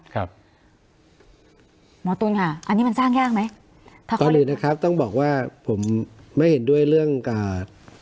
ครับหมอตุ๋นค่ะอันนี้มันสร้างยากไหมต้องบอกว่าผมไม่เห็นด้วยเรื่องอ่า